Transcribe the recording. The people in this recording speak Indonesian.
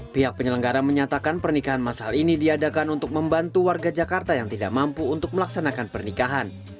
pihak penyelenggara menyatakan pernikahan masal ini diadakan untuk membantu warga jakarta yang tidak mampu untuk melaksanakan pernikahan